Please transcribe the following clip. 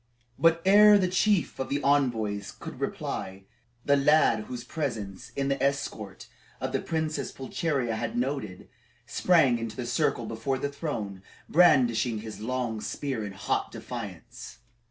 But ere the chief of the envoys could reply, the lad whose presence in the escort the Princess Pulcheria had noted, sprang into the circle before the throne, brandishing his long spear in hot defiance.